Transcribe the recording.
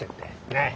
ねえ！